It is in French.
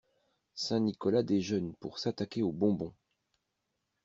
Saint-Nicolas déjeune pour s'attaquer aux bonbons!